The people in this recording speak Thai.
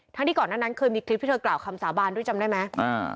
ที่ก่อนหน้านั้นเคยมีคลิปที่เธอกล่าวคำสาบานด้วยจำได้ไหมอ่า